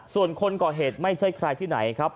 ส่วนคนก่อเหตุไม่ใช่ใครที่ไหนครับ